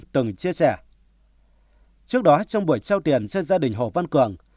trước đó trong buổi trao tiền cho gia đình hồ văn cường